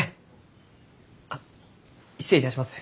あっ失礼いたします。